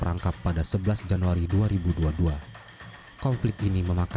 hingga akhirnya mati